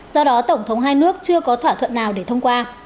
do đó tổng thống hai nước chưa có thỏa thuận nào để thông qua